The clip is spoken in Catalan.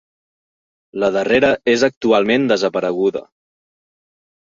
La darrera és actualment desapareguda.